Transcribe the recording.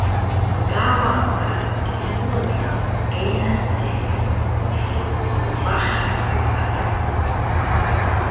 Mlawa ma, dmurun namu kenan de, mpqbahang ku ka yaku